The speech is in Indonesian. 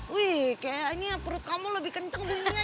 wih kayaknya perut kamu lebih kenteng bunyinya kinar